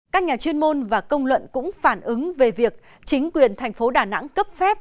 các nhà chuyên môn và công luận cũng phản ứng về việc chính quyền thành phố đà nẵng cấp phép